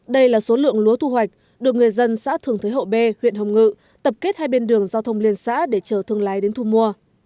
đây là số lượng lúa thu hoạch được người dân xã thường thế hậu b huyện hồng ngự tập kết hai bên đường giao thông liên xã để chờ thương lái đến thu mua